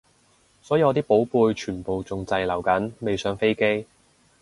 所以我啲寶貝全部仲滯留緊未上飛機